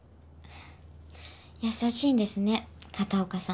優しいんですね片岡さん。